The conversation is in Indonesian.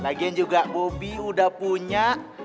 lagian juga bobby udah punya